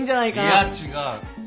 いや違う。